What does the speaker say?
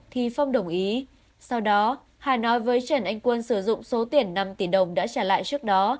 thì phong đồng ý sau đó hà nói với trần anh quân sử dụng số tiền năm tỷ đồng đã trả lại trước đó